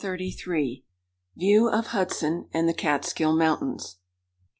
VIEW OF HUDSON, AND THE CATSKILL MOUNTAINS.